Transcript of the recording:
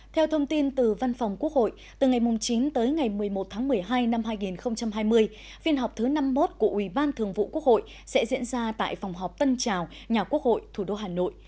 theo thông tin từ văn phòng quốc hội từ ngày chín tới ngày một mươi một tháng một mươi hai năm hai nghìn hai mươi phiên họp thứ năm mươi một của ủy ban thường vụ quốc hội sẽ diễn ra tại phòng họp tân trào nhà quốc hội thủ đô hà nội